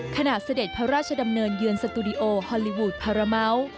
เสด็จพระราชดำเนินเยือนสตูดิโอฮอลลีวูดพาราเม้า